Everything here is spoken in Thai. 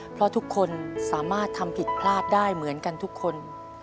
เพราะทุกคนสามารถทำผิดพลาดได้เหมือนกันทุกคน